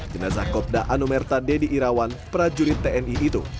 jenazah kopda anomerta dedi irawan prajurit tni itu